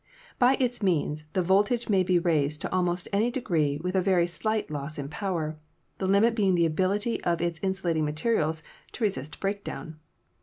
By its means, the voltage may be raised to almost any degree with a very slight loss in power, the limit being the ability of its in sulating materials to resist breakdown.